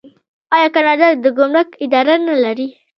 آیا کاناډا د ګمرک اداره نلري؟